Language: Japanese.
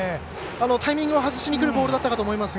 タイミングを外しにくるボールだったと思いますが。